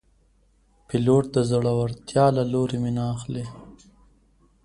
پیلوټ د زړورتیا له لورې مینه اخلي.